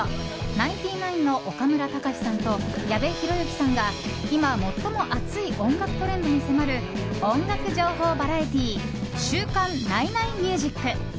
ナインティナインの岡村隆史さんと矢部浩之さんが今、最も熱い音楽トレンドに迫る音楽情報バラエティー「週刊ナイナイミュージック」。